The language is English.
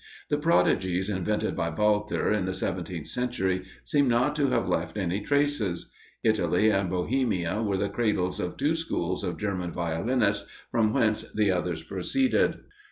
The prodigies invented by Walther in the seventeenth century, seem not to have left any traces. Italy and Bohemia were the cradles of two schools of German violinists, from whence the others proceeded.